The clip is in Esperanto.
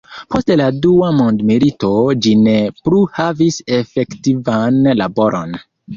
Post la dua mondmilito ĝi ne plu havis efektivan laboron.